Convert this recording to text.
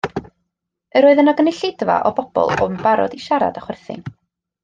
Yr oedd yno gynulleidfa o bobl yn barod i siarad a chwerthin.